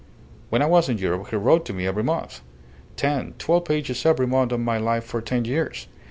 When I was in Europe he wrote to me every month. Ten, twelve pages every month of my life for ten years.